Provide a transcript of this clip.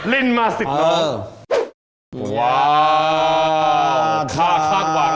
ลินมาสิบนม